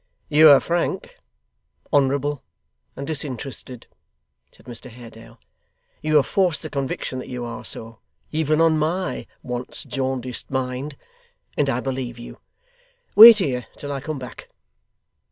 'You are frank, honourable, and disinterested,' said Mr Haredale; 'you have forced the conviction that you are so, even on my once jaundiced mind, and I believe you. Wait here till I come back.